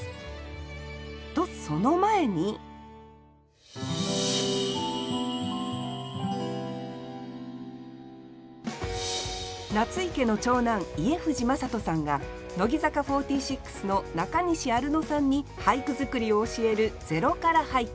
とその前に夏井家の長男家藤正人さんが乃木坂４６の中西アルノさんに俳句作りを教える「０から俳句」。